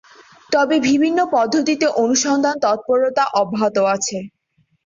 তবে বিভিন্ন পদ্ধতিতে অনুসন্ধান তৎপরতা অব্যাহত আছে।